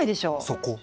そこ。